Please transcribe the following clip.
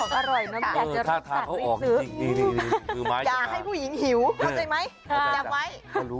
เข้าใจไหมจำไว้